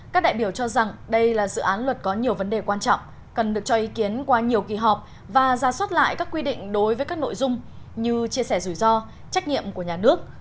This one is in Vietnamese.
các đại biểu cho rằng đây là dự án luật có nhiều vấn đề quan trọng cần được cho ý kiến qua nhiều kỳ họp và ra soát lại các quy định đối với các nội dung như chia sẻ rủi ro trách nhiệm của nhà nước